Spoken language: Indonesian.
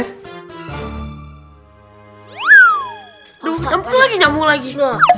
hammu lagi nyamuk lagi